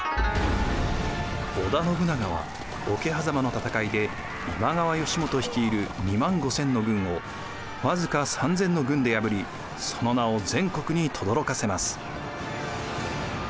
織田信長は桶狭間の戦いで今川義元率いる２万５，０００の軍を僅か３，０００の軍で破りその名を全国にとどろかせます。